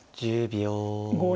１０秒。